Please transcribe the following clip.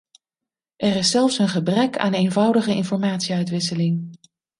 Er is zelfs een gebrek aan eenvoudige informatie-uitwisseling.